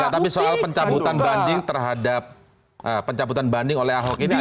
tapi soal pencabutan banding terhadap pencabutan banding oleh ahok ini